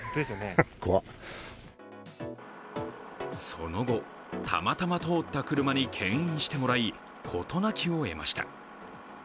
その後、たまたま通った車にけん引してもらい、事なきを得ました。